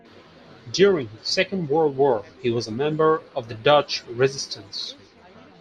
During the Second World War he was a member of the Dutch Resistance.